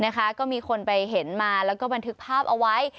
ก็มีคนไปเห็นมาแล้วก็บันทึกภาพเอาไว้